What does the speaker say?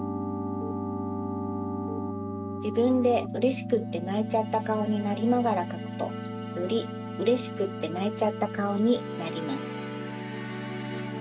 じぶんでうれしくってないちゃったかおになりながらかくとよりうれしくってないちゃったかおになります。